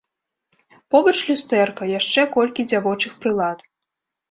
Побач люстэрка, яшчэ колькі дзявочых прылад.